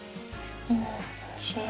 おいしい。